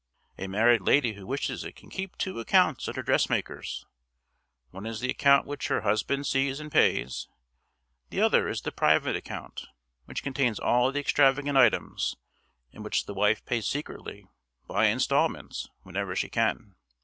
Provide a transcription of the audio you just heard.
A married lady who wishes it can keep two accounts at her dressmaker's; one is the account which her husband sees and pays; the other is the private account, which contains all the extravagant items, and which the wife pays secretly, by installments, whenever she can.